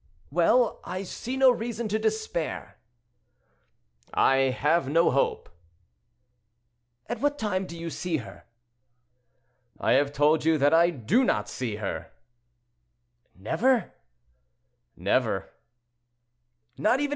"Well! I see no reason to despair." "I have no hope." "At what time do you see her?" "I have told you that I do not see her."—"Never?"—"Never!"